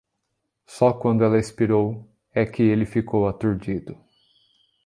Só quando ela expirou, é que ele ficou aturdido.